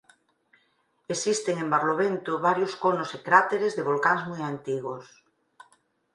Existen en Barlovento varios conos e cráteres de volcáns moi antigos.